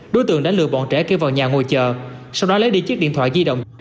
đối tượng đã lừa bọn trẻ kêu vào nhà ngồi chờ sau đó lấy đi chiếc điện thoại di động